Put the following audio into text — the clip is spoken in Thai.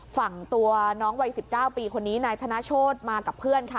ฝั่งตัวน้องวัย๑๙ปีคนนี้นายธนโชธมากับเพื่อนค่ะ